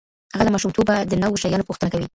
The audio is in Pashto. هغه له ماشومتوبه د نوو شیانو پوښتنه کوي.